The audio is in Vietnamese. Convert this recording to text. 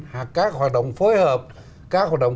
hoặc các hoạt động phối hợp các hoạt động